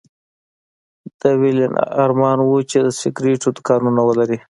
د ويلين ارمان و چې د سګرېټو دوکانونه ولري